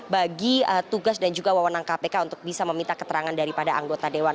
bagi tugas dan juga wawonan kpk untuk bisa meminta keterangan daripada anggota dewan